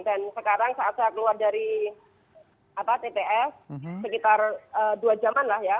dan sekarang saat saya keluar dari tps sekitar dua jaman lah ya